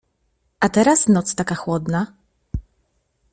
A teraz noc taka chłodna!…